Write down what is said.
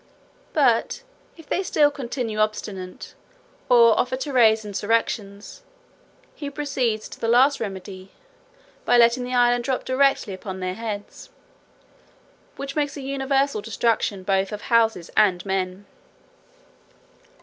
But if they still continue obstinate, or offer to raise insurrections, he proceeds to the last remedy, by letting the island drop directly upon their heads, which makes a universal destruction both of houses and men.